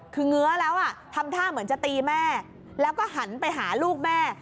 คือเงื้อแล้วทำท่าเหมือนจะตีแม่แล้วก็หันไปหาลูกแม่